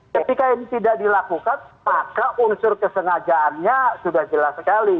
ketika ini tidak dilakukan maka unsur kesengajaannya sudah jelas sekali